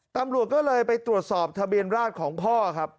ตำรวจก็เลยไปตรวจสอบทะเบียนราชของพ่อครับ